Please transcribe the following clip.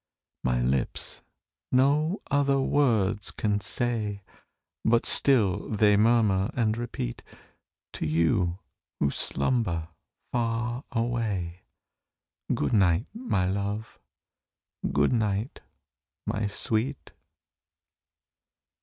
My lips no other words can say, But still they murmur and repeat To you, who slumber far away, Good night, my love! good night, my sweet!